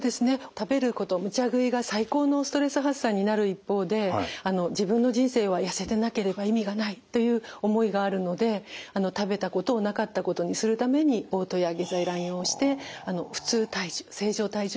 食べることむちゃ食いが最高のストレス発散になる一方で自分の人生は痩せてなければ意味がないという思いがあるので食べたことをなかったことにするためにおう吐や下剤乱用して普通体重正常体重を維持しています。